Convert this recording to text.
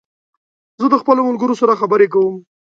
زه د خپلو ملګرو سره خبري کوم